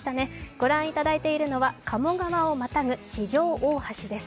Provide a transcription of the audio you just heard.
御覧いただいているのは鴨川をまたぐ四条大橋です。